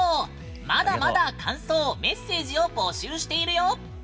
まだまだ感想、メッセージを募集しているよ。